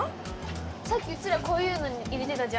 さっきうちらこういうのに入れてたじゃん。